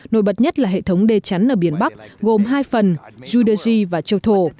nổi bật nhất là hệ thống đê chắn ở biển bắc gồm hai phần judeji và châu thổ